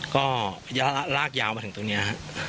ก็ลากยาวมาถึงตรงนี้